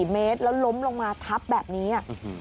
เมตรแล้วล้มลงมาทับแบบนี้